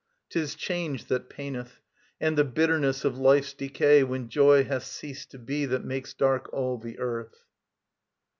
'Tis change that paineth; and the bitterness Of life's decay when joy hath ceased to be That makes dark all the earth.